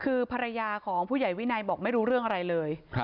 คือภรรยาของผู้ใหญ่วินัยบอกไม่รู้เรื่องอะไรเลย